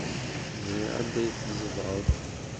Ẓriɣ anda ay tzedɣeḍ.